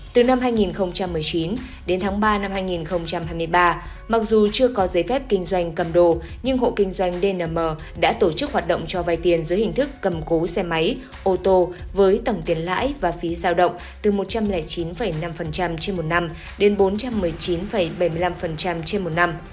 từ năm hai nghìn một mươi chín đến tháng ba năm hai nghìn hai mươi ba mặc dù chưa có giấy phép kinh doanh cầm đồ nhưng hộ kinh doanh dnm đã tổ chức hoạt động cho vai tiền dưới hình thức cầm cố xe máy ô tô với tổng tiền lãi và phí giao động từ một trăm linh chín năm trên một năm đến bốn trăm một mươi chín bảy mươi năm trên một năm